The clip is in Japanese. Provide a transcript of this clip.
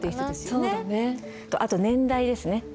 あと年代ですね。